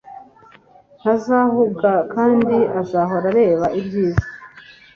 ntazahuga kandi azahora areba ibyiza.